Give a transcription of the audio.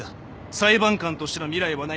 裁判官としての未来はない。